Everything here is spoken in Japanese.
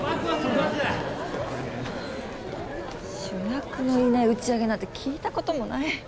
主役のいない打ち上げなんて聞いたこともない。